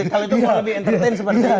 kalau itu mau lebih entertain sebenarnya